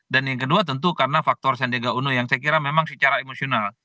dan yang kedua tentu karena faktor sandiaga uno yang saya kira memang secara emosional